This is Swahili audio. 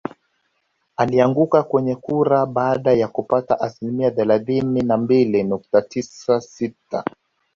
Alianguka kwenye kura baada ya kupata asilimia thelathini na mbili nukta tisa sita